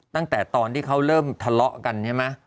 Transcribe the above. ตั้งแต่ตอนที่เขาเริ่มทะเลาะกันใช่ไหม